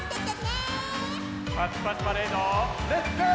「パチパチパレードっ！」レッツゴー！